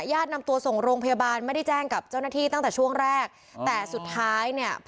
ญาตินำตัวส่งโรงพยาบาลไม่ได้แจ้งกับเจ้าหน้าที่ตั้งแต่ช่วงแรกแต่สุดท้ายเนี่ย